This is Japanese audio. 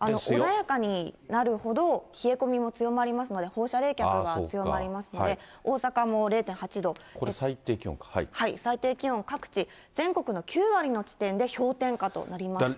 穏やかになるほど冷え込みも強まりますので、放射冷却が強まこれ、最低気温、各地、全国の９割の地点で氷点下となりました。